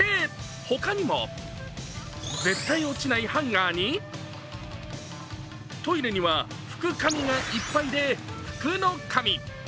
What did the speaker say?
他にも絶対落ちないハンガーに、トイレには拭く紙がいっぱいで福の神。